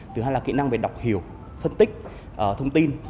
thứ hai là kỹ năng về đọc hiểu phân tích thông tin